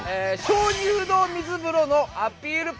鍾乳洞水風呂のアピール